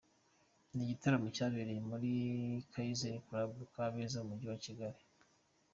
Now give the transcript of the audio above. Ni igitaramo cyabereye muri Kaizen Club Kabeza, mu Mujyi wa Kigali.